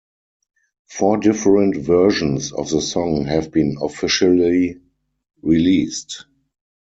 Four different versions of the song have been officially released.